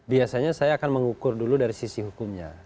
biasanya saya akan mengukur dulu dari sisi hukumnya